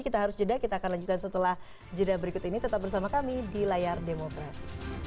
kita harus jeda kita akan lanjutkan setelah jeda berikut ini tetap bersama kami di layar demokrasi